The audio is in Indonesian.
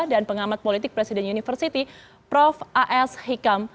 dan pengamat politik presiden universiti prof a s hikam